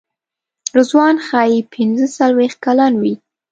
رضوان ښایي پنځه څلوېښت کلن وي.